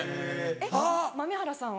えっ豆原さんは？